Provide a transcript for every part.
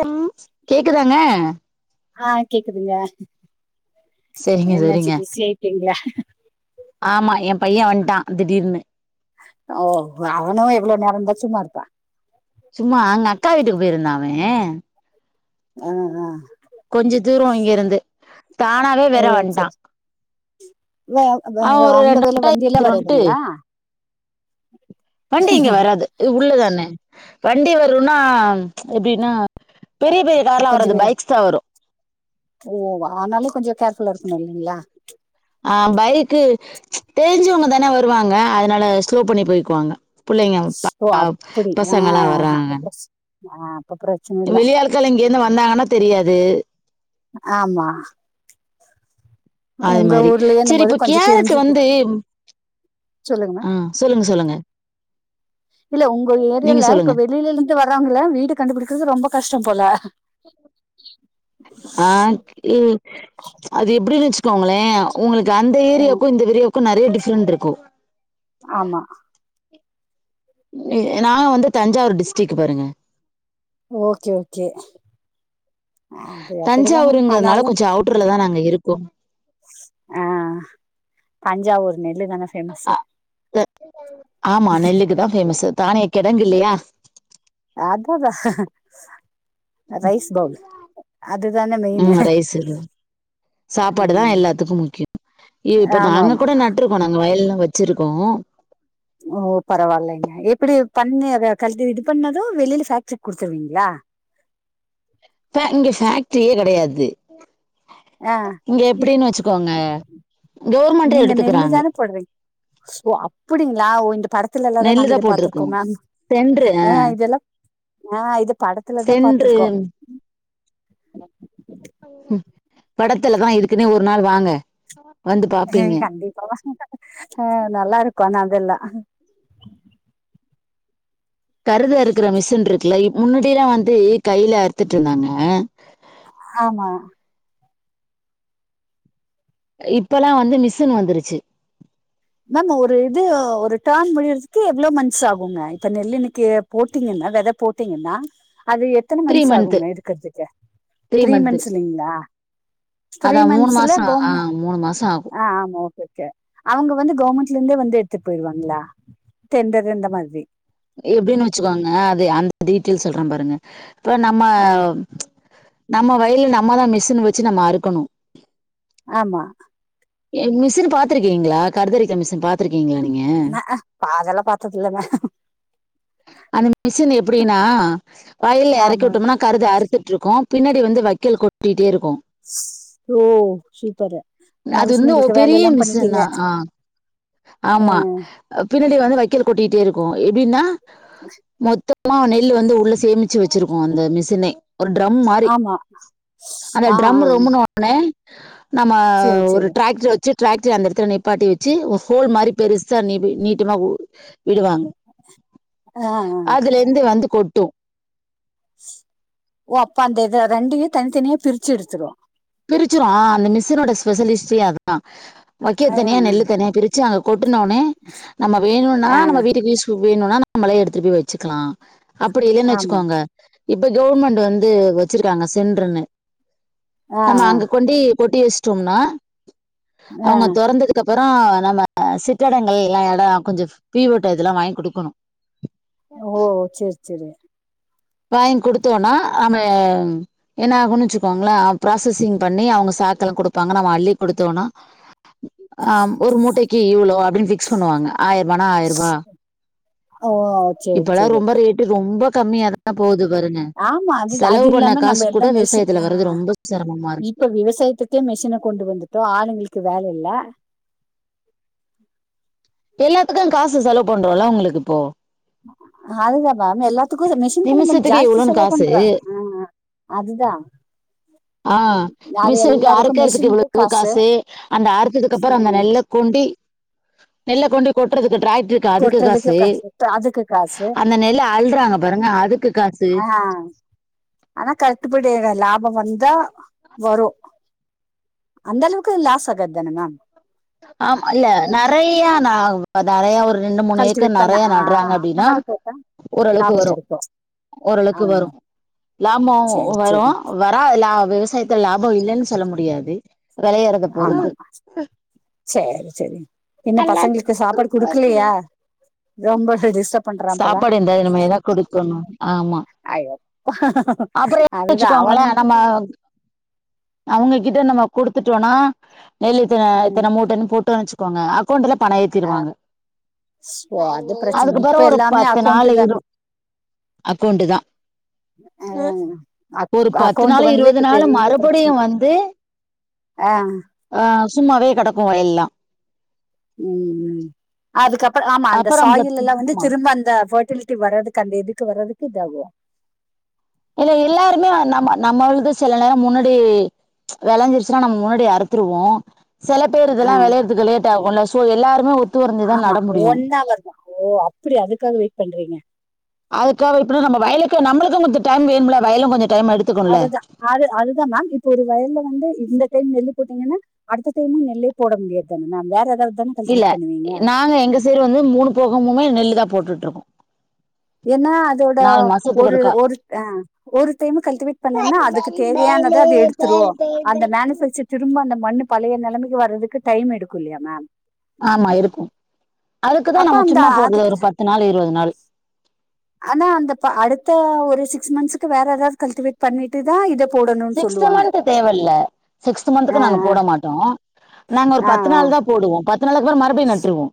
அம் கேக்குதாங்க ஆ கேக்குதுங்க சரிங்க என்னாச்சு சரிங்க பிசி ஆயிட்டிங்களா ஆமா ஏ பைய்ய வன்ட்டா திடீர்னு ஓ அவனு எவ்ளோ நேரந்தா சும்மாருப்பா சும்மா அங்க அக்கா வீட்டுக் போயிருந்தா அவே ஆ ஆ கொஞ்ச தூர இங்க இருந்து தானாவே வேற வன்ட்டா வாவ் அவன் ஒரு அந்த வேல வண்டியல்லா இடத்துல வந்துட்டு வருதுங்களா வண்டி இங்க வராது இது உள்ளதானே வண்டி வரும்னா எப்டின்னா பெரிய பெரிய கார்லா வராது பைக்ஸ் தா வரு ஓவா ஆனாலு கொஞ்சோ கேர்ஃபுல்லா இருக்கணு இல்லைங்களா ஆ பைக்கு தெரிஞ்சவங்க தானே வருவாங்க அதனால ஸ்லோ பண்ணி போய்க்குவாங்க புள்ளைங்க உட்டா ஓ அப்படி ஆ பசங்களா வறாங்க அப்ப பிரச் ஆ அப்றங் வெளி ஆட்கள் இங்கருந்து வந்தாங்கனா தெரியாது ஆம்மா அது மாரி ஊர்லயேன்னும் சரி போது இப்ப கொஞ்ச கேரட் தெரிஞ்சுக்கலா வந்து சொல்லுங்கம்மா ஆ சொல்லுங்க சொல்லுங்க இல்ல உங்க நீங்க ஏரியால சொல்லுங்க [unintelligible] வெளியில ர்ந்து வறவங்கள வீடு கண்டுபுடிக்கிறது ரொம்ப கஷ்டோ போல ஆ இல் அது எப்டின்னு வெச்சுக்கோங்களே உங்ளுக்கு அந்த ம். ஏரியாவுக்கு இந்த ஏரியா க்கு நெறைய டிஃப்ரென்ட் இருக்கு ஆமா நா வந்து தஞ்சாவூர் டிஸ்ட்டிகு பாருங்க ஓகே ஓகே அது அப்படிதாங்க தஞ்சாவூருங்கிறதுனால ஆனாலு கொஞ்ச அவுட்டர்ல தா நாங்க இருக்கோ ஆ தஞ்சாவூர் நெல்லுதானங் ஆமா நெல்லுக்கு தா பேமஸ் தானே கிடங்கு இல்லையா அததா ரைஸ் பவுல் அதுதானே மெய்ன் ம் ரைஸ் இருக்குது சாப்பாடுதா எல்லாத்துக்கு முக்யோ இப்ப ஆமா நாங்க ஆமா கூட நட் [unintelligible] நாங்க வயல்லா வெச்சிருக்கோ ஓ பரவாயில்லைங்க எப்டி பண்ண கல் இது பண்ணது வெளில பேஃக்டரி குடுத்துருவீங்களா ப்பே இங்க ஃபேக்ட்ரியே கெடையாது ஆ இங்க இப் எப்டின்னு வெச்சுக்கோங்க கவுர்மெண்டே எடுத்துக்குறாங்க படுறீங் ஓ அப்டிங்களா இந்த படத்துல எல்லாதா நெல்லு நாங்க தா இத போட்ருக்கோ பாத்துருக்கோ மேம் சென்ட்ரு ஹே இதெல்லாம் ஹே இத படத்துல தா பாத்துருக்கோ படத்துலதா இதுக்குனே ஒரு நாள் வாங்க வந்து பாரு கண்டிப்பா ஹ நல்லா இருக்கு நா அதெல்லா கருதறுக்கிற மிஷின் இருக்குல்ல முன்னாடில்லா வந்து கைல அறுத்துட்டிருந்தாங்க ஆமா இப்பல்ல வந்து மிசின் வந்துருச்சு மேம் ஒரு இது ஒரு டேன் முடிறதுக்கு எவ்ளோ மந்ஸ் ஆகுங்க இப்ப நெல் இன்னைக்கு போட்டீங்கன்னா வெத போட்டீங்னா அது எ த்தன மந்த்ஸ் மந்த்து ஆகுங்க எடுக்கறதுக்கு த்ரீ மந்த்து. மந்த்ஸ் இல்லீங்களா அதா மூணு மாச ஆ மூணு மாச ஆகு ஆ ஆமா ஓகே கே அவங்க வந்து கவர்மெண்ட்ல இருந்தே வந்து எடுத்துட் போயிருவாங்களா டெண்டர் அந்த மாதிரி எப்டின்னு வெச்சுக்கோங்க அது அந்த டீட்டெயல் சொல்றே பாருங்க இப்ப நம்ம நம்ம வயல நம்ம தா மிஷின் வெச்சு நம்ம அறுக்கணு ஆமா ஏ மிஷின் பாத்துருக்கீங்களா கரதரிக்கர மிஷின் பாத்துருக்கீங்களா நீ அதல்லா பாத்தது இல்லங்க அந்த மிஷின் எப்டினா வயல்ல இறக்கி ஆமா விட்டோம்னா கருது அறுத்துட்டிருக்கோ பின்னாடி வந்த வக்கெல் கொட்டிட்டே இருக்கு ஓ சூப்பரு அது வந்து ஒ மனுஷன்ங்களுக்கு பெரிய வேலஇல்லாம மிஷின் பண்ணிட்டீங்க தான். ஆ ஆமா பின்னாடி வந்து வைக்கல் கொட்டிட்டே இருக்கு எப்டின்னா [unintelligible] மொத்தமா நெல் வந்து உள்ள சேமிச்சு வெச்சிருக்கோ அந்த மிஷினே ஒரு ட்ரம் மாறி ஆமா அந்த ஆ ட்ரம் ஆ ரொம்புனா அண்ணோ நம்ம சேரி ஒரு சேரி டிராக்டர் வச் வச்சு டிராக்டர் அந்த இடத்துல நிப்பாட்டி வெச்சு ஒரு ஹோல் மாரி பெருசா நீ நீட்டமா விடுவாங்க ஆ ஆ அதுலந்து வந்து கொட்டு ஓ அப்ப அந்த இது ரெண்டையு தனித்தனியா பிரிச்சு எடுத்துரு பிரிச்சிரு அந்த மிஸினோட ஸ்பெஷலிஸ்டே அதா வைக்கல் ஆ தனியா ஆ நெல்லு தனியா பிரிச் சு அங்க கொட்டனோனே நம்ம வேணுனா ஆ நம்ம வீட்டு யூஸ்க்கு வேணுனா நம்மளே எடுத்துட் போயி வெச்சுக்கலா அப்டி இல்லைன்னு ஆமாம் வெச்சுக்கோங்க இப்ப கவுர்மெண்ட் வந்து வெச்சிருக்காங்க சென்ட்ர்ன்னு ஆ நம்ம ஆ அங்க கொண்டி கொட்டி வெச்சுட்டொம்னா ஆ அவங்க தொறந்த அதுக்கப்றோ நம்ம சிட்டடங்கள் எல்லா இடோ கொஞ்சம் வி ஓ இதெல்லா வாங்கி குடுக்கணு ஓ சேரி சேரி வாங்கி் குடுத்தோனா ஆமே என்னாகுனு வெச்சுக்கோங்களே ப்ராசஸிங் பண்ணி அவங்க சாக்குல குடுப்பாங்க நம்ம அள்ளி குடுத்தோனா ஆ ஒரு மூட்டைக்கு இவ்ளோ அப்டின்னு பிக்ஸ் பண்ணுவாங்க ஆயிர்வானா ஆயிர்வா ஓ சரி இப்பெல்லா சரி ரொம்ப ரேட்டு ரொம்ப கம்மியாதா போகுது பாருங்க ஆமா அது செலவு அது பண்ண இல்லாம காசு நம்ம எல்லா கூட விவசாயத்துல மிஷின்ங்க வர்றது ரொம்ப சிரமமா இருக்கு இப்ப விவசாயத்துக் துக்கு மிஷின கொண்டு வந்துட்டோ ஆளுங்களுக்கு வேல இல்ல எல்லாத்துக்கும் காசு செலவு பண்றோல்லா உங்களுக்கு இப்போ அதுதாங்க ‌அவுங்க எல்லாத் எல்லாத்துக்கூ மெஷின்க்கு நம்ம நிமிஷத்துக்கு ஜாஸ்தி இவ்வளோன்னு செலவு காசு பண்றோ ஆ மிஷின்க்கு எல்லாருக்கும் அருக்கறதுக்கு மெஷினுக்கு இவ்ளோ காசு அந்த அறுத்ததுக்கு அப்புறோ அந்த ம், நெல்ல கொண்டி நெல்ல கொண்டி கொட்டுறதுக்கு ட்ராக்டர் க்கு அதுக்கு கொட்டுறதுக்கு காசு இப்ப அதுக்கு காசு அந்த நெல் அல்றாங்க பாருங்க அதுக்கு காசு ஆ ஆனா கட்டுபடி ‌ஆகல லாபம் வந்தா வரும் அந்த அளவுக்கு லாஸ் ஆகாத் தான மேம் ஆம் இல்ல நெறைய நாவ் இப்ப நறய ஒரு ரெண்டு மூணு ஏக்கர் கல்டிவேட் பண்ண நறய ஆ நட்றாங்கன்னா அந்த அப்டின்னா மாதிரி போட்டா ஓரளவுக்கு லாபம் வரோ கிடைக்கும் ஆ ஓரளவுக்கு வரோ லாபோ சரி வரோ சரி ஒ வராத்ல விவசாயத்துல லாபம் இல்லைன் சொல்ல முடியாது வெளையறத பொறுத்து ஆமாம்மா சேர் செரிங்க இன்னூ பசங்களுக்கு சாப்பாடு குடுக்கலியா இதே உங்க சைடு டிஸ்டப் சாப்பாடு இந்தெ நம்ம எதாவ் குடுக்கணூ ஆமா ஐயோ அப்புறோ எடுத் அதுதான் வச்சுக்கோங்களே அவனுங்க நம்ம அவங்ககிட்ட நம்ம குடுத்துட்டோனா நெல் இத்தன ம், இத்தன மூட்டன்னு போட்டோ வச்சிங் கோங்க அக்கவுண்டல பணோ ஆ, ஏத்திறுவாங்க ஓ அது பிரச்சனை இப்ப அதுக்குப்போறோ ஒரு எல்லாமே பத்து அக்கௌண்ட் நாள் இரு தானே அக்கௌண்ட் தா ஒரு பத்து அக்கௌண்ட் நாள் வந்து இருவது இப்ப நாள் பெரிய மறுபடியூ பிரச்சனை வந்து ஆ ஆ சும்மாவே கெடக்கூ வயல்ல்லா ம் ம் அதுக்கப்புறம் ஆமா அந்த அப்பறம் சாயில்ல்லா வந்து ஆமா திரும்ப அந்த பெர்டிலிட்டி வர்றதுக் அந்த இதுக்கு வரதுக்கு இதாகூ இல்ல எல்லாருமே நம்ம நம்மளுது சில நேரோ முன்னாடி வெளஞ்சிருச்சுன்னா நம்ம முன்னாடி அறுத்துருவோ செல பேர் ஆ, இதெல்லா வெளையறதுக்கு லேட் ஆகுன்ல சோ எல்லாருமே ஒத்து வரஞ்சிதா ஆமா நடமுடியூ ஒன் ஹவர் தான் ஓ அப்படிய அதுக்காக வெயிட் பண்றீங்க அதுக்காக இப்ப நம் வயலக்கூ நம்மளுகூ கொஞ்சோ டைம் வேணும்ல்ல வயலும் கொஞ்சோ டைம் எடுத் அதுதா அது அதுதா மேம் இப்ப ஒரு வயல்ல வந்து இந்த டைம் நெல்லு போட்டீங்கன்னா அடுத்த டைமும் நெல்லே போட முடியாது தானே மேம் வேற ஏதாவது தானே இல்ல கல்டிவேட் பண்ணுவீங்க நாங்க எங்க சைடு வந்து மூணு போகமுமே நெல்லுதா போட்டுட்டு இருக்கோ ஏன்னா அதோட ஒரு ஒரு அ ஒரு டைம் கல்டிவேட் பண்ணனா அதுக்கு தேவையானதை அது எடுத்துரூ அந்த மேனுபேச்சர் திரும்ப அந்த மண்ணு பழய நெலமைக்கு வர்றதுக்கு டைம் எடுக்கூ இல்லியா மேம் ஆமா இருக்கூ அதுக்குதா அப்ப நம்ம அந்த சும்மா போட்றது அதுக்கு ஒரு பத்து நாள் இருவது நாள் ஆனா அந்தப் அடுத்த ஒரு சிக்ஸ் மன்ஸ்ஸுக்கு வேற ஏதாவது கல்டிவேட் பண்ணிட்டுதா இத சிக்ஸ்த் மந்த் தேவ இல்ல சிக்ஸ்த் மந்துக்கு நாங்க போட மாட்டோ நாங்க ஒரு ஆ ஆ பத்து நாள் தா போடுவோ பத்து நாளுக்கு அப்பறோ மறுபடியூ நட்டுருவோ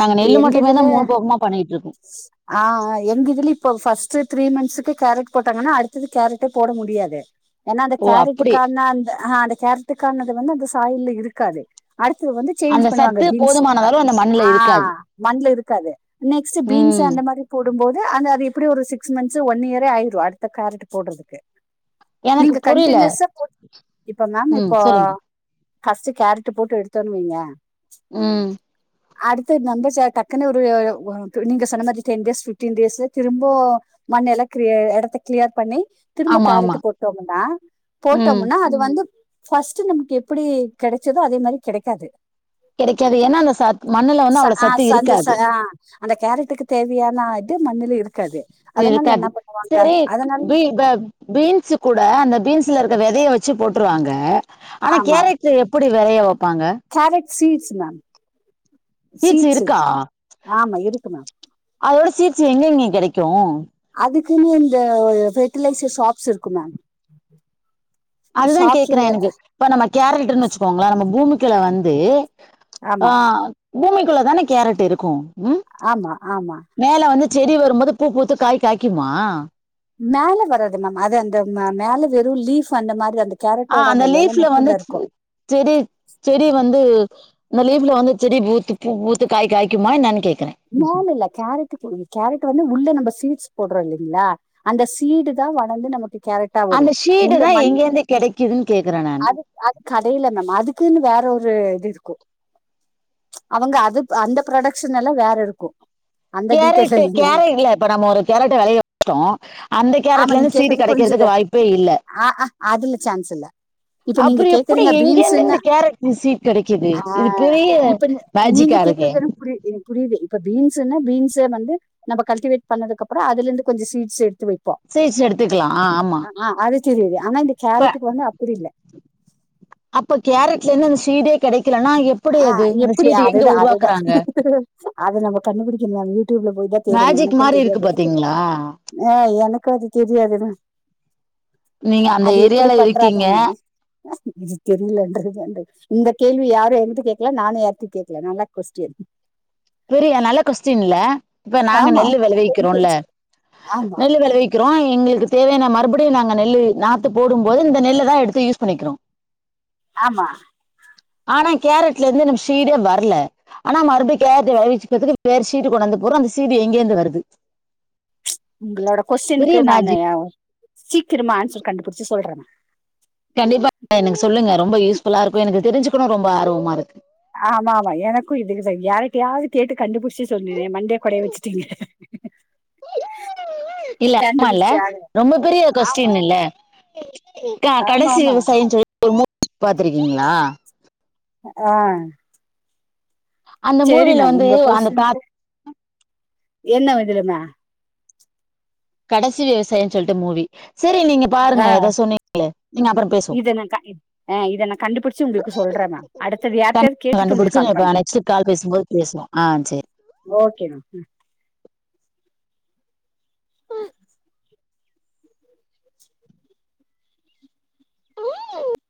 நாங்க நெல்லு மட்டுமே தா மூணு போகமா பண்ணிட்டு இருக்கோ [unintelligible] அ ஆ எங்க இதுல இப்போ ஃபஸ்ட் த்ரீ மன்ஸ்ஸுக்கு கேரட் போட்டாங்கன்னா அடுத்தது கேரட்டே போட முடியாது ஏன்னா அந்த ஓ கேரட்டு அப்படி கான அந்த ஆஹ் அந்த கேரட்டு கானது வந்து அந்த சாயில்ல இருக்காது அடுத்தது வந்து சேஞ்ச் அந்த பண்ணுவாங்க சத்து பீன்ஸ் போதுமான அளவு அந்த மண்ணுல ஆ இருக்காது மண்ல இருக்காது நெக்ஸ்ட் பீன்ஸ் ம் அந்த மாரி போடும்போது அந்த அது எப்படியூ ஒரு சிக்ஸ் மன்ஸ் ஒன் இயரே ஆயிரஃ அடுத்த கேரட் போட்றதுக்கு எனக்கு நீங்க புரியல கண்டினியஸ்ஸா போட் இப்ப மேம் ம் இப்போ சொல்லுங்க ஃபஸ்ட்டு கேரட் போட்டு எடுத்தன்வீங்க உம் அடுத்து நம்ப சேர் டக்குனு ஒரு வ்வா நீங்க சொன்ன மாரி டென் டேஸ் பிப்டீன் டேஸ்சு திரும்போ மண்ண எல்லா கிரயே இடத்த கிளியர் பண்ணி திரும்ப ஆமா ஆமா கேரட்டு போட்டோம்முன்னா ம் போட்டோம்முன்னா இது வந்து ஃபஸ்ட்டு நமக் எப்டி கெடச்சுதோ அதே மாரி கெடைக்காது கெடைக்காது ஏன்னா அந்த சத் மண்ணுல வந்து அவ்ளோ சத்து அந்த இருக்காது அந்த கேரட்டுக்கு தேவையான அது மண்ணுல இருக்காது து அதனால இருக்காது என்ன பண்ணுவாங்க சேரி அதனால பீல் பேக் பீன்ஸ் கூட அந்த பீன்ஸ்ல இருக்கற விதய வெச்சு போட்டுருவாங்க ஆனா ஆமா கேரட் இது எப்படி வெளய வெப்பாங்க கேரட் சீட்ஸ் மேம் சீட்ஸ் இருக்கா ஆமா இருக்கு மேம் அதோட சீட்ஸ் எங்கேங்க கெடைக்கு அதுக்குன் இந்த பெர்ட்டிலைசர் ஷாப்ஸ் இருக்கு மேம் அதுதா கேக்கறே ஷாப்ஸ்ல எனக்கு இப்ப நம்ம கேரக்டர்ன்னு வெச்சுக்கோங்களே நம்ம பூமிக்குள்ள வந்து ஆ ஆமா பூமிக்குள்ள தானே கேரட் இருக்கும் ஆமா ஆமா மேல வந்து செடி வரும்போது பூ பூத்து காய் காய்க்குமா மேல வராது மேம் அது அந்த ம மேல வெறு லீஃப் அந்த மாரி அந்த ஆ கேரட்டோட அந்த எல லீஃப்ல வந்து மட்டுந்தா இருக்கு செடி செடி வந்து இந்த லீப்ல வந்து செடி பூத்து பூ பூத்து காய் காய்க்குமா என்னனு கேட்கிறே மேல இல்ல கேரட் போ கேரட் வந்து உள்ள நம்ம சீட்ஸ் போடுறோ இல்லலைங்களா அந்த சீடு தா வளர்ந்து நமக்கு கேரட் அந்த ஷீடு தா எங்கேருந்து கெடைக்குதுன் கேக்கறே நானு அது கடையில மேம் அதுக்குன் வேற ஒரு இது இருக்கு அவங்க அது அந்த புரொடக்ஷனல்லா வேற இருக்கு அந்த டீட்டெயில் கேரட்டு இல்ல கேர மேம் இல்ல இப்ப நம்ம ஒரு கேரட்ட விலைய வைப்போ அந்த ஆமா கேரட்ல நீங்க இருந்து சீடு கேக்குறது புரிஞ்சுது கெடைக்கிறதுக்கு வாய்ப் ப்பே இல்ல ஆ அ அதுல சான்ஸ் இல்ல இப்ப நீங்க அப்றோ எப்டி கேக்கறீங்க எங்கேருந்து பீன்ஸ்சின்னா இந்த கேரட் சீட் கெடைக்குது ஆ இது பெரிய இப்ப நி நீங்க மேஜிக்கா இருக்கே கேக்கறது எனக் புரிது எனக் புரிதே க்க பீஸுன்ன பீன்ஸே வந்து நம்ம கல்டிவேட் பண்ணதுக்கப்பறோ அதுலருந்து கொஞ்ச சீட்ஸ் எடுத்து வெப்போ சீட்ஸ் எடுத்துக்கலா ஆ ஆமா ஆ அது தெரியுது ஆனா இந்த இப்ப கேரட்டுக்கு வந்து அப்டி இல்ல அப்ப கேரட்லிருந்து அந்த சீடே கெடைக்கலனா எப் ஆ எப்டி அதேதா அதேதா அது நம்ம கண்டுபிடிக்கணு அது யூடியூப்ல போயி தா தெரியாது மேஜிக் எனக்குந் மாரி இருக்கு தெரியாது பாத்தீங்களா ஆ எனக்கு அது தெரியாதுனா நீங்க அந்த அது எப்புடி ஏரியால இருக்கீங்க பண்றாங்கன்னு இது தெரியலேன்றது [unintelligible] இந்த கேள்வி யாரு வந் து கேக்ல நானு யார்டயு கேக்ல நல்லா கொஸ்டியன் தெரில நல்ல கொஸ்டியன்ல்ல இப்ப நாங்க ஆமா நெல்லு வெளவிக்கிறோல்ல ஆமா நெல்லு வெளவிக் க்கிறோ எங்குளுக்கு தேவையான மறுபடியு நாங்க நெல்லு நாத்து போடும் போது இந்த நெல்லு தா எடுத்து யூஸ் பண்ணிக்கிறோ ஆமா ஆனா கேரட்ல இருந்து நம்ம சீடே வர்ல ஆனா மறுபடியு கேரட்டு விக்கிறதுக்கு வேறு சீடு கொண்டாந்து போட்றோ அந்த சீடு எங்கேருந்து வருது உங்களோட கொஸ்டினுக்கு பெரிய நானு மேஜிக் சீக்கிரமா ஆன்சர் கண்டுபிடிச்சு சொல்றே கண்டிப்பா எனக்கு சொல்லுங்க ரொம்ப யூஸ்ஃபுல்லா இருக்கு எனக்கு தெரிஞ்சுக்கணு ரொம்ப ஆர்வமா இருக்கு ஆமா ஆமா எனக்கு இதுக்கு யாரிட்டையாவது கேட்டு கண்டுபிடிச்சு சொன்னே மண்டயே கொடைய வச்சுட்டீங்க இல்ல ஆமா இல்ல கண்டுபிடிச்சே ஆகல ரொம்ப பெரிய ஆமா கொஸ்டின் இல்ல கா ஆமா கடைசி ஆமா விவசாயம்னு சொல்லி ஒரு மூவி பாத்துருக்கீங்ளா ஆ அந்த சேரி மூவில மேம் வந்து உங்க அந்த தா- கொஸ்டின்க்கு என்ன [unintelligible] கடைசி விவசாயினு சொல்லிட்டு மூவி செரி நீங்க ஆ பாருங்க எதோ சொன்னீங்ளே நீங்க அப்புற பேசுவோ இத நா க ஆ இத நா கண்டுபிடிச்சு உங்களுக்கு சொல்றே மேம் அடுத்தது க யார்ட்டயாவது கேட்டுட்டு உங்களுக்கு கண்டுபிடிச்சு கால் பண்றே நெக்ஸ்ட் கால் பேசும்போது பேசுவோ ஆ செரி ஓகே மேம் [inaudible]